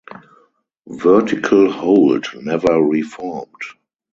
Vertical Hold never reformed.